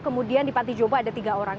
kemudian di panti jombang ada tiga orang